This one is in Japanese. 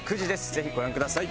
ぜひご覧ください。